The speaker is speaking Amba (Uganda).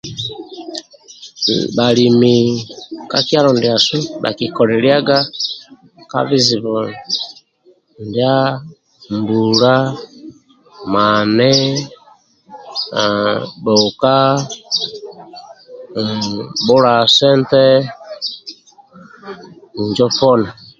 Bhalimi ka kyalo ndiasu bhakikoliliaga ka bizibu ndia mbula mani bhulka bhula sente injo poni